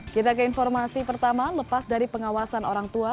kita ke informasi pertama lepas dari pengawasan orang tua